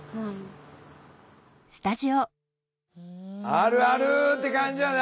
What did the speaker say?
あるあるって感じやね